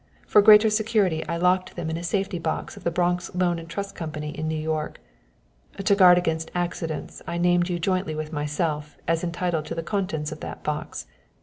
For greater security I locked them in a safety box of the Bronx Loan and Trust Company in New York. To guard against accidents I named you jointly with myself as entitled to the contents of that box.